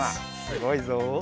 すごいぞ。